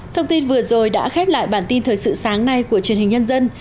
thông tin vừa rồi đã khép lại bản tin thời sự sáng nay của truyền hình nhân dân